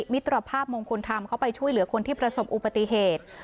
มิตรภาพมงคลธรรมเข้าไปช่วยเหลือคนที่ประสบอุบัติเหตุ